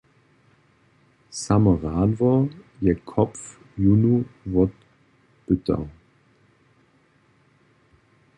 Samo Radwor je Kopf jónu wopytał.